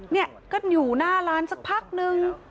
เนี่ยก็อยู่หน้าร้านสักพักนึง